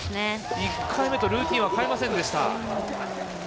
１回目とルーティンは変えませんでした。